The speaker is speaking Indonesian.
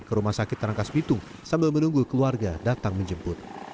ke rumah sakit rangkas bitung sambil menunggu keluarga datang menjemput